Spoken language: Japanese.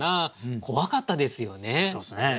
怖かったですよね。